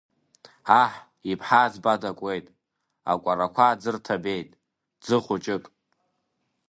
Аҳ иԥҳа аӡба дакуеит, акәарақәа аӡы рҭабеит, ӡы хәыҷык!